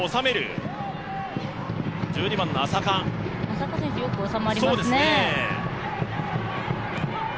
浅香選手、よく収まりますね